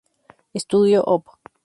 Estudio Op.